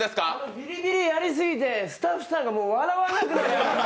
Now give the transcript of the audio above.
ビリビリやりすぎてスタッフさんがもう笑わなくなってます。